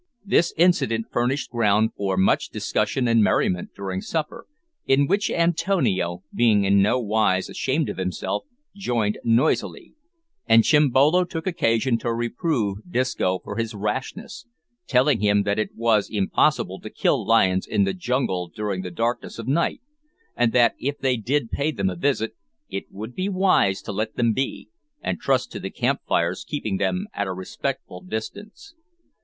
This incident furnished ground for much discussion and merriment during supper, in which Antonio, being in no wise ashamed of himself, joined noisily; and Chimbolo took occasion to reprove Disco for his rashness, telling him that it was impossible to kill lions in the jungle during the darkness of night, and that, if they did pay them a visit, it would be wise to let them be, and trust to the camp fires keeping them at a respectful distance.